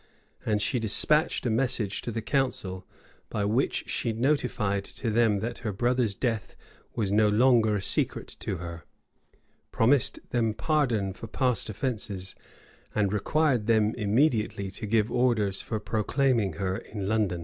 And she despatched a message to the council; by which she notified to them, that her brother's death was no longer a secret to her, promised them pardon for past offences, and required them immediately to give orders for proclaiming her in London.